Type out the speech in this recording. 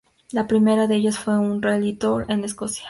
La primera de ellas fue en un "rally touring" en Escocia.